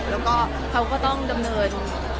แล้วก็เขาก็ต้องดำเนิน